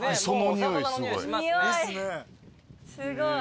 すごい。